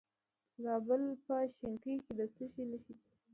د زابل په شنکۍ کې د څه شي نښې دي؟